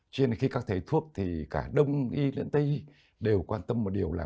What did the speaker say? cho nên khi các thầy thuốc thì cả đông y lẫn tây y đều quan tâm một điều là